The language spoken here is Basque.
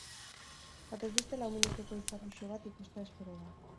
Batez beste lau minutuko izar uxo bat ikustea espero da.